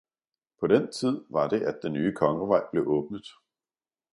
På den tid var det, at den nye kongevej blev åbnet.